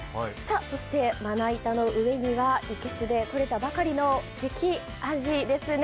そしてまな板の上には生けすでとれたばかりの関あじですね。